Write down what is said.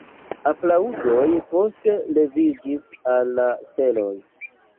Aplaŭdoj poste leviĝis al la steloj.